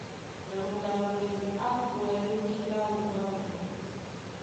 Na muɗaŋgwedi á kwɛ̌ lóki láō ɓwǎmɓwâm.